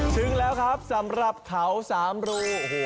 ถึงแล้วครับสำหรับเขาสามรูโอ้โห